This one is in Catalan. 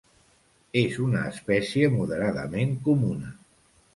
És una espècie moderadament comuna.